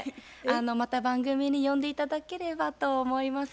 また番組に呼んで頂ければと思います。